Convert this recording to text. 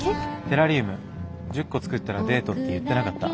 テラリウム１０個作ったらデートって言ってなかった？